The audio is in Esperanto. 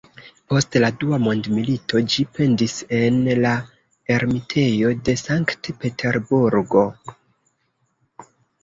Post la Dua Mondmilito ĝi pendis en la Ermitejo je Sankt-Peterburgo.